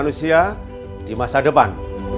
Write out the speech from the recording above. manusia di masa depan